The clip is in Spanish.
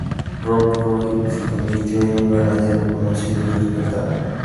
Rob Roy se convirtió en un ganadero conocido y respetado.